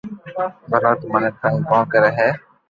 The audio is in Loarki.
ڀلا تو مني تنگ ڪو ڪري ھيي